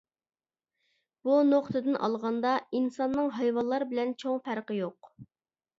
بۇ نۇقتىدىن ئالغاندا ئىنساننىڭ ھايۋانلار بىلەن چوڭ پەرقى يوق.